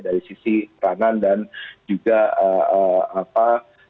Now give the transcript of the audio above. dari sisi peranan dan juga apa